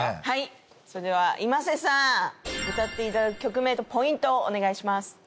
はいそれではｉｍａｓｅさん歌っていただく曲名とポイントをお願いします。